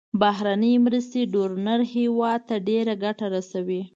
بهرنۍ مرستې ډونر هیوادونو ته ډیره ګټه رسوي.